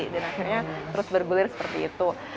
dan akhirnya terus bergulir seperti itu